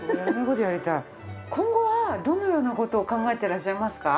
今後はどのような事を考えてらっしゃいますか？